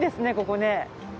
ここね。